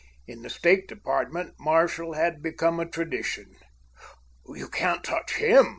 In the State Department, Marshall had become a tradition. "You can't touch Him!"